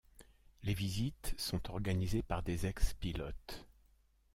Les visites sont organisées par des ex-pilotes.